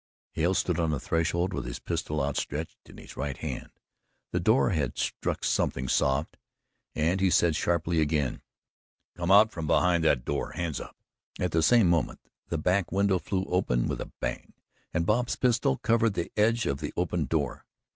Hale stood on the threshold with his pistol outstretched in his right hand. The door had struck something soft and he said sharply again: "Come out from behind that door hands up!" At the same moment, the back window flew open with a bang and Bob's pistol covered the edge of the opened door.